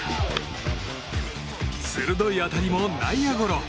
鋭い当たりも内野ゴロ。